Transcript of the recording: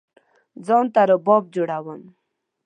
ځان ته رباب جوړوم